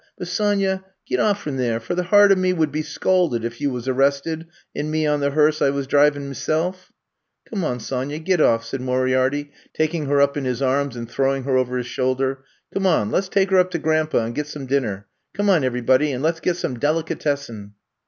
But, Sonya, git off frim there, for the heart of me would be scalded if ye wus arrested and me on the hearse I wus drivin ' mesilf .''Come on, Sonya, get off, said Moriar ity, taking her up in his arms and throwing her over his shoulder. Come on, let 's take her up to Grandpa and get some din ner. Come on everybody and let 's get some delicatessen.